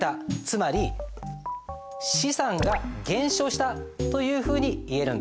つまり資産が減少したというふうにいえるんです。